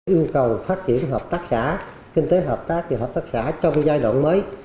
yêu cầu phát triển hợp tác xã kinh tế hợp tác và hợp tác xã trong giai đoạn mới